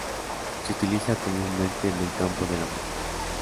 Se utiliza comúnmente en el campo de la música.